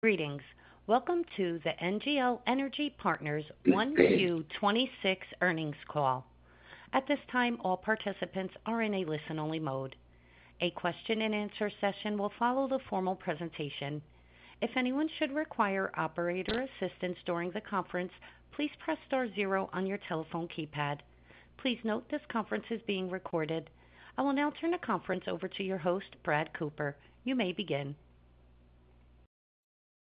Greetings. Welcome to the NGL Energy Partners Q1 2026 Earnings Call. At this time, all participants are in a listen-only mode. A question-and-answer session will follow the formal presentation. If anyone should require operator assistance during the conference, please press star zero on your telephone keypad. Please note this conference is being recorded. I will now turn the conference over to your host, Brad Cooper. You may begin.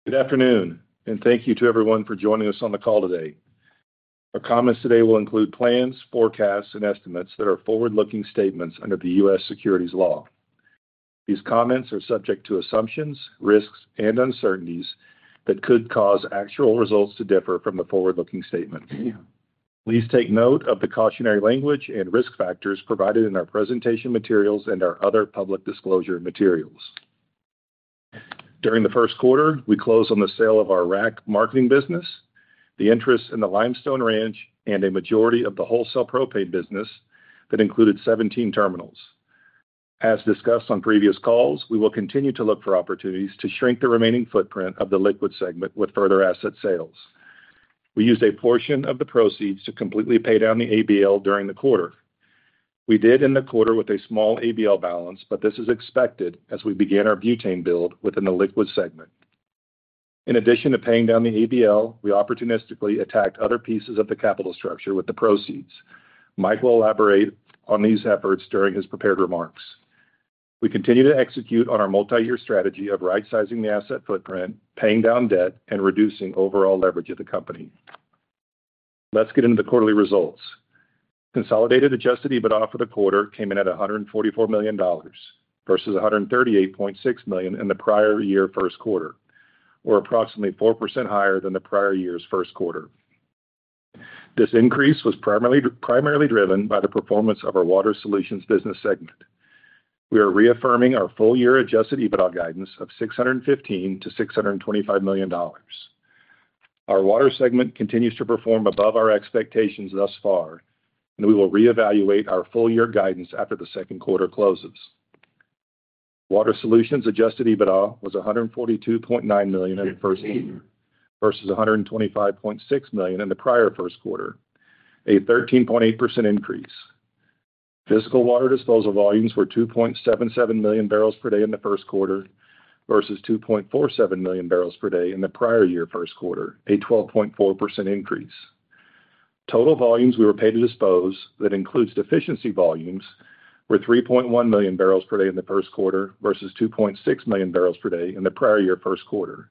Good afternoon, and thank you to everyone for joining us on the call today. Our comments today will include plans, forecasts, and estimates that are forward-looking statements under the U.S. securities law. These comments are subject to assumptions, risks, and uncertainties that could cause actual results to differ from the forward-looking statements. Please take note of the cautionary language and risk factors provided in our presentation materials and our other public disclosure materials. During the first quarter, we closed on the sale of our rack marketing business, the interest in the Limestone Ranch, and a majority of the wholesale propane business that included 17 terminals. As discussed on previous calls, we will continue to look for opportunities to shrink the remaining footprint of the Liquids segment with further asset sales. We used a portion of the proceeds to completely pay down the ABL during the quarter. We did end the quarter with a small ABL balance, but this is expected as we began our butane build within the Liquids segment. In addition to paying down the ABL, we opportunistically attacked other pieces of the capital structure with the proceeds. Mike will elaborate on these efforts during his prepared remarks. We continue to execute on our multi-year strategy of right-sizing the asset footprint, paying down debt, and reducing overall leverage of the company. Let's get into the quarterly results. Consolidated adjusted EBITDA for the quarter came in at $144 million versus $138.6 million in the prior year's first quarter, or approximately 4% higher than the prior year's first quarter. This increase was primarily driven by the performance of our Water Solutions business segment. We are reaffirming our full-year adjusted EBITDA guidance of $615 million-$625 million. Our Water segment continues to perform above our expectations thus far, and we will reevaluate our full-year guidance after the second quarter closes. Water Solutions adjusted EBITDA was $142.9 million in the first quarter, versus $125.6 million in the prior first quarter, a 13.8% increase. Fiscal water disposal volumes were 2.77 million barrels per day in the first quarter, versus 2.47 million barrels per day in the prior year's first quarter, a 12.4% increase. Total volumes we were paid to dispose, that includes deficiency volumes, were 3.1 million barrels per day in the first quarter, versus 2.6 million barrels per day in the prior year's first quarter.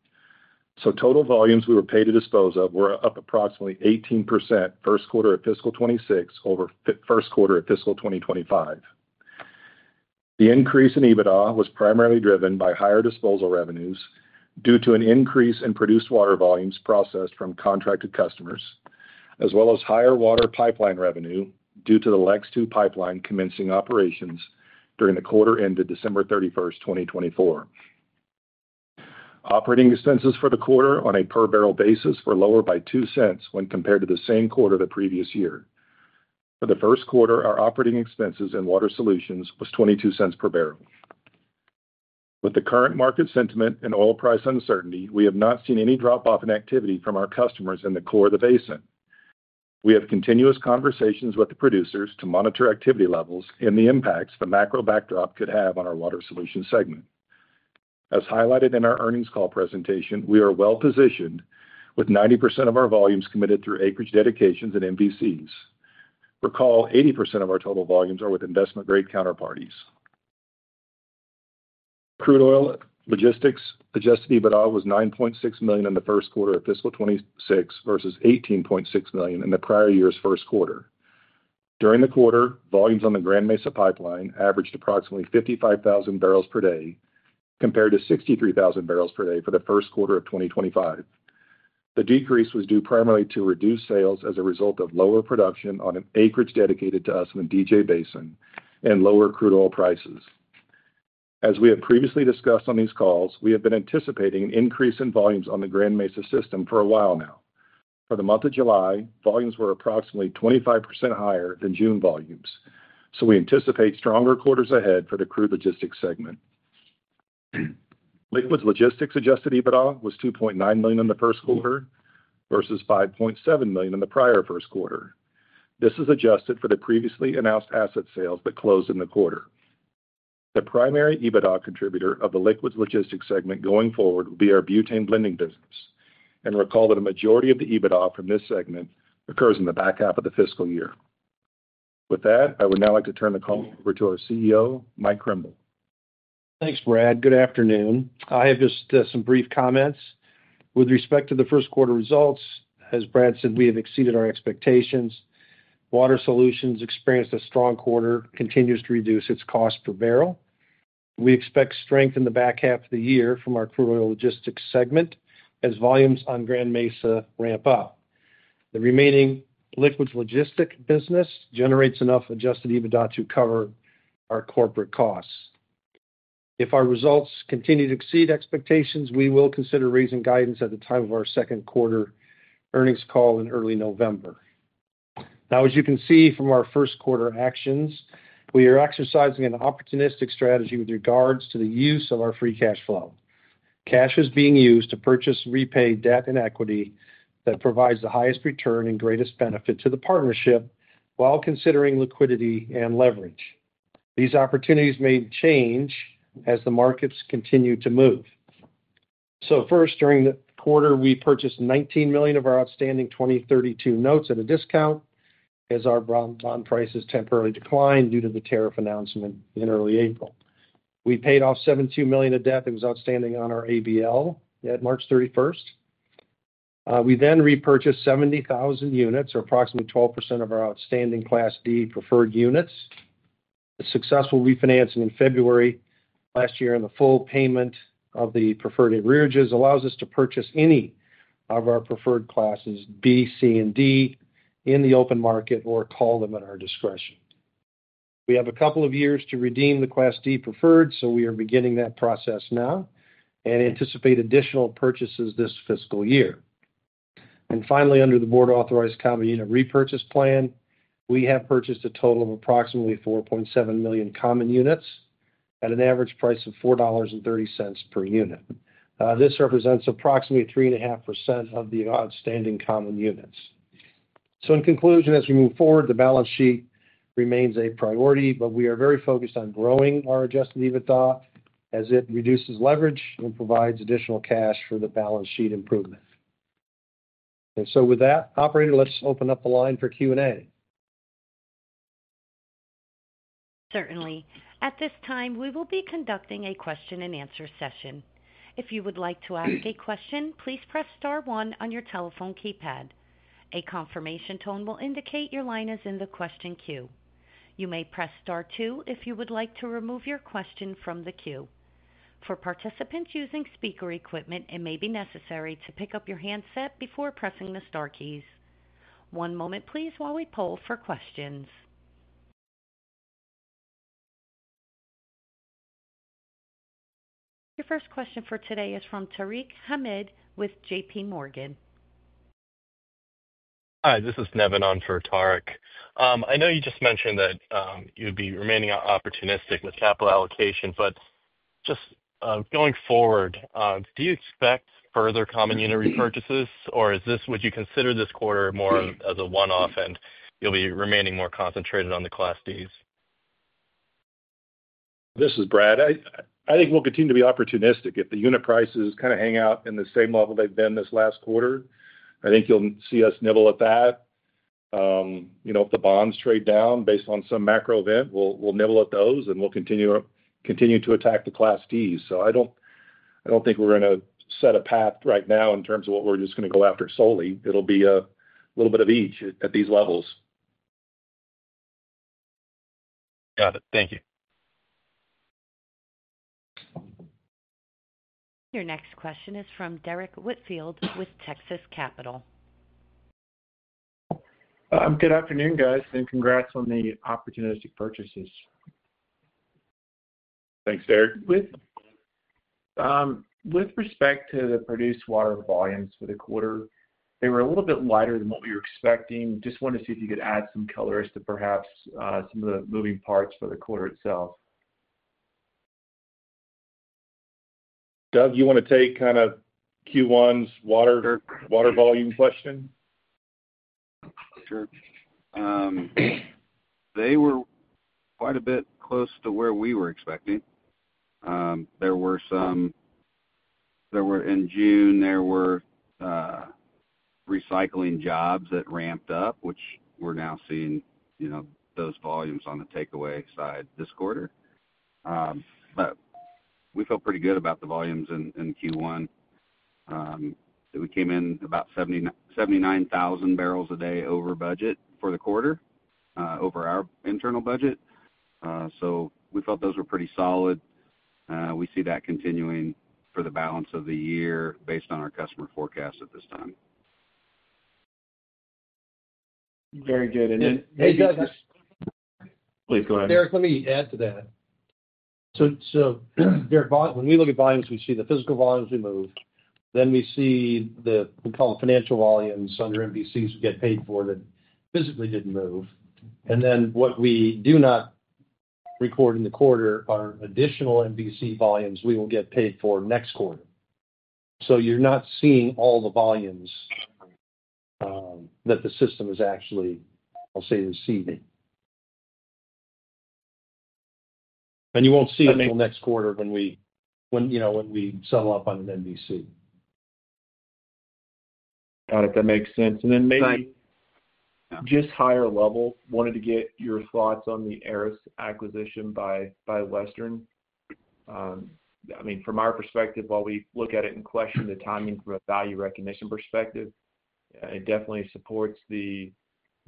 Total volumes we were paid to dispose of were up approximately 18% first quarter of fiscal 2026 over first quarter of fiscal 2025. The increase in EBITDA was primarily driven by higher disposal revenues due to an increase in produced water volumes processed from contracted customers, as well as higher water pipeline revenue due to the LEX II pipeline commencing operations during the quarter ended December 31st, 2024. Operating expenses for the quarter on a per barrel basis were lower by $0.02 when compared to the same quarter of the previous year. For the first quarter, our operating expenses in Water Solutions were $0.22 per barrel. With the current market sentiment and oil price uncertainty, we have not seen any drop-off in activity from our customers in the core of the basin. We have continuous conversations with the producers to monitor activity levels and the impacts the macro backdrop could have on our Water Solutions segment. As highlighted in our earnings call presentation, we are well positioned with 90% of our volumes committed through acreage dedications and MVCs. Recall, 80% of our total volumes are with investment-grade counterparties. Crude Oil Logistics adjusted EBITDA was $9.6 million in the first quarter of fiscal 2026, versus $18.6 million in the prior year's first quarter. During the quarter, volumes on the Grand Mesa pipeline averaged approximately 55,000 barrels per day compared to 63,000 barrels per day for the first quarter of 2025. The decrease was due primarily to reduced sales as a result of lower production on acreage dedicated to us in the DJ Basin and lower crude oil prices. As we have previously discussed on these calls, we have been anticipating an increase in volumes on the Grand Mesa system for a while now. For the month of July, volumes were approximately 25% higher than June volumes, so we anticipate stronger quarters ahead for the Crude Oil Logistics segment. Liquids Logistics adjusted EBITDA was $2.9 million in the first quarter, versus $5.7 million in the prior first quarter. This is adjusted for the previously announced asset sales that closed in the quarter. The primary EBITDA contributor of the Liquids Logistics segment going forward will be our butane blending business, and recall that a majority of the EBITDA from this segment occurs in the back half of the fiscal year. With that, I would now like to turn the call over to our CEO, Mike Krimbill. Thanks, Brad. Good afternoon. I have just some brief comments. With respect to the first quarter results, as Brad said, we have exceeded our expectations. Water Solutions experienced a strong quarter and continues to reduce its cost per barrel. We expect strength in the back half of the year from our Crude Oil Logistics segment as volumes on Grand Mesa ramp up. The remaining Liquids Logistics business generates enough adjusted EBITDA to cover our corporate costs. If our results continue to exceed expectations, we will consider raising guidance at the time of our second quarter earnings call in early November. Now, as you can see from our first quarter actions, we are exercising an opportunistic strategy with regards to the use of our free cash flow. Cash is being used to purchase and repay debt and equity that provides the highest return and greatest benefit to the partnership while considering liquidity and leverage. These opportunities may change as the markets continue to move. First, during the quarter, we purchased $19 million of our outstanding 2032 notes at a discount as our bond prices temporarily declined due to the tariff announcement in early April. We paid off $72 million of debt that was outstanding on our ABL at March 31st. We then repurchased 70,000 units, or approximately 12% of our outstanding Class D preferred units. The successful refinancing in February last year and the full payment of the preferred and arrearages allows us to purchase any of our preferred classes B, C, and D in the open market or call them at our discretion. We have a couple of years to redeem the Class D preferred, so we are beginning that process now and anticipate additional purchases this fiscal year. Finally, under the board-authorized common unit repurchase plan, we have purchased a total of approximately 4.7 million common units at an average price of $4.30 per unit. This represents approximately 3.5% of the outstanding common units. In conclusion, as we move forward, the balance sheet remains a priority, but we are very focused on growing our adjusted EBITDA as it reduces leverage and provides additional cash for the balance sheet improvement. With that, operator, let's open up the line for Q&A. Certainly. At this time, we will be conducting a question-and-answer session. If you would like to ask a question, please press star one on your telephone keypad. A confirmation tone will indicate your line is in the question queue. You may press star two if you would like to remove your question from the queue. For participants using speaker equipment, it may be necessary to pick up your handset before pressing the star keys. One moment, please, while we poll for questions. Your first question for today is from Tarek Hamid with JPMorgan. Hi, this is Nevin on for Tarek. I know you just mentioned that you'd be remaining opportunistic with capital allocation. Just going forward, do you expect further common unit repurchases, or would you consider this quarter more as a one-off and you'll be remaining more concentrated on the Class Ds? This is Brad. I think we'll continue to be opportunistic. If the unit prices kind of hang out in the same level they've been this last quarter, I think you'll see us nibble at that. If the bonds trade down based on some macro event, we'll nibble at those and we'll continue to attack the Class D preferred units. I don't think we're going to set a path right now in terms of what we're just going to go after solely. It'll be a little bit of each at these levels. Got it. Thank you. Your next question is from Derrick Whitfield with Texas Capital. Good afternoon, guys, and congrats on the opportunistic purchases. Thanks, Derek. With respect to the produced water volumes for the quarter, they were a little bit lighter than what we were expecting. Just wanted to see if you could add some color to perhaps some of the moving parts for the quarter itself. Doug, you want to take kind of Q1's water volume question? Sure. They were quite a bit close to where we were expecting. In June, there were recycling jobs that ramped up, which we're now seeing, you know, those volumes on the takeaway side this quarter. We felt pretty good about the volumes in Q1. We came in about 79,000 barrels a day over budget for the quarter, over our internal budget. We felt those were pretty solid. We see that continuing for the balance of the year based on our customer forecast at this time. Very good. Please, go ahead. Derrick, let me add to that. When we look at volumes, we see the physical volumes we moved. Then we see the, we call it financial volumes under MVCs we get paid for that physically didn't move. What we do not record in the quarter are additional MVC volumes we will get paid for next quarter. You're not seeing all the volumes that the system is actually, I'll say, receiving. You won't see until next quarter when we, you know, when we settle up on an MVC. Got it. That makes sense. Maybe just higher level, wanted to get your thoughts on the ERIS acquisition by Western. I mean, from our perspective, while we look at it and question the timing from a value recognition perspective, it definitely supports the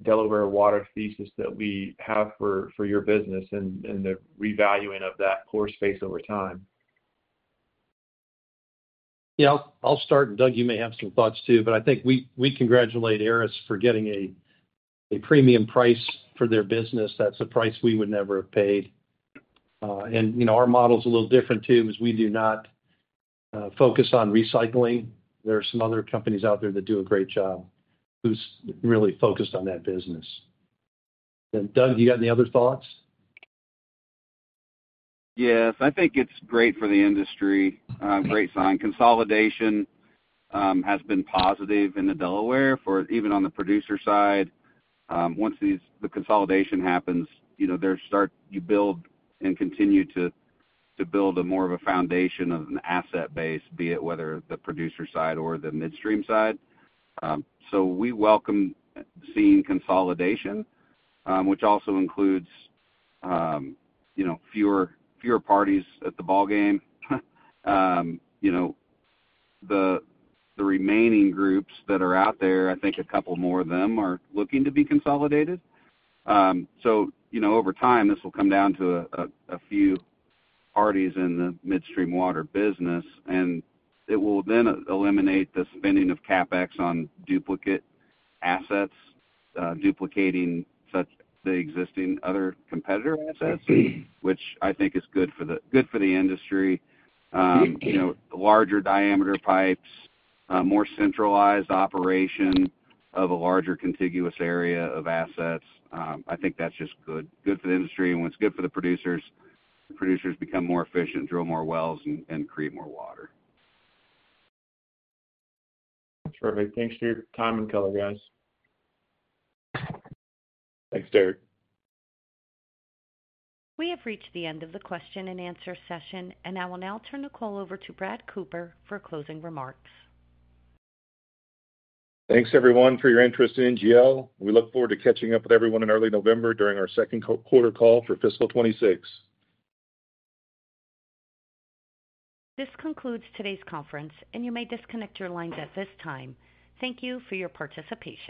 Delaware water thesis that we have for your business and the revaluing of that pore space over time. I'll start. Doug, you may have some thoughts too. I think we congratulate ERIS for getting a premium price for their business. That's a price we would never have paid. Our model is a little different too, as we do not focus on recycling. There are some other companies out there that do a great job who's really focused on that business. Doug, you got any other thoughts? Yes, I think it's great for the industry. Great sign. Consolidation has been positive in the Delaware for even on the producer side. Once the consolidation happens, you start to build and continue to build more of a foundation of an asset base, be it whether the producer side or the midstream side. We welcome seeing consolidation, which also includes fewer parties at the ballgame. The remaining groups that are out there, I think a couple more of them are looking to be consolidated. Over time, this will come down to a few parties in the midstream water business, and it will then eliminate the spending of CapEx on duplicate assets, duplicating the existing other competitor assets, which I think is good for the industry. Larger diameter pipes, more centralized operation of a larger contiguous area of assets, I think that's just good for the industry. When it's good for the producers, the producers become more efficient, drill more wells, and create more water. Perfect. Thanks for your time and color, guys. Thanks, Derek. We have reached the end of the question-and-answer session, and I will now turn the call over to Brad Cooper for closing remarks. Thanks, everyone, for your interest in NGL. We look forward to catching up with everyone in early November during our second quarter call for fiscal 2026. This concludes today's conference, and you may disconnect your lines at this time. Thank you for your participation.